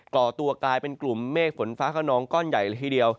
ก่อตัวกลายเป็นกลุ่มเมฆฝนฟ้าขนองก้อนใหญ่เลยทีเดียว